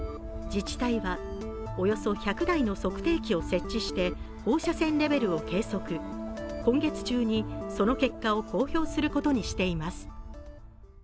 自治体は、およそ１００台の測定器を設置して放射線レベルを計測、今月中にその結果を公表することにしています。